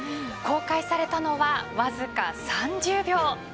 公開されたのはわずか３０秒。